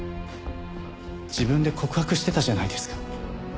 自分で告白してたじゃないですか。